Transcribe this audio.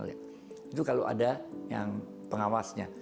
itu kalau ada yang pengawasnya